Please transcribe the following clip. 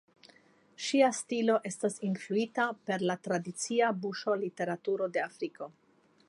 Ŝia stilo estas influita per la tradicia buŝa literaturo de Afriko.